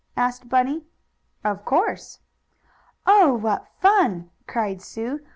asked Bunny. "Of course." "Oh, what fun!" cried Sue.